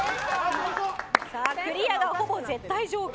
クリアが、ほぼ絶対条件。